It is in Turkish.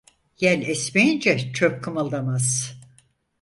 Yel esmeyince çöp kımıldamaz!